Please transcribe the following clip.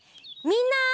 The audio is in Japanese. みんな！